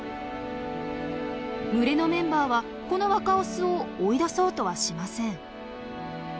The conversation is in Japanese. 群れのメンバーはこの若オスを追い出そうとはしません。